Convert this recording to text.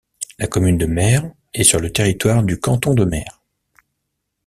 La commune de Mer est sur le territoire du canton de Mer.